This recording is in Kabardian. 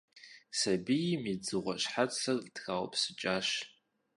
Сабийм и «дзыгъуэ» щхьэцыр траупсыкӀащ.